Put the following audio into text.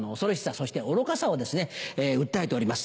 そして愚かさを訴えております。